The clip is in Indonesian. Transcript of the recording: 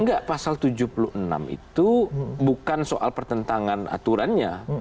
enggak pasal tujuh puluh enam itu bukan soal pertentangan aturannya